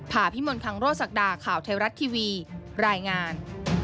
ผ่าพิมลคังโรศักดาข่าวไทยรัฐทีวีรายงาน